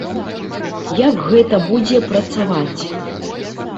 Як гэта будзе працаваць?